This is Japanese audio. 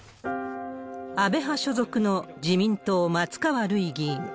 安倍派所属の自民党、松川るい議員。